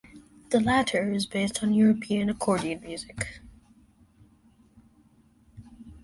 The latter is based on European accordion music.